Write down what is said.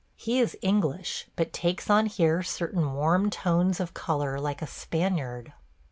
He is English, but takes on here certain warm tones of color like a Spaniard.